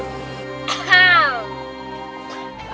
kau terlihat cantik dengan kalung itu